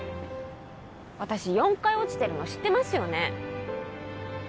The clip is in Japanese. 私４回落ちてるの知ってますよね？